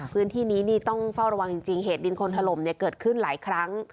พื้นที่นี้นี่ต้องเฝ้าระวังจริงเหตุดินคนถล่มเกิดขึ้นหลายครั้ง